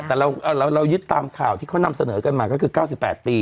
แต่เราเราเรายึดตามข่าวที่เขานำเสนอกันมาก็คือเก้าสิบแปดปี